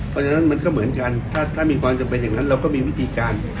เพราะฉะนั้นมันก็เหมือนกันถ้ามีความจำเป็นอย่างนั้นเราก็มีวิธีการ